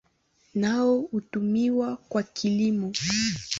Nao hutumiwa kwa kilimo.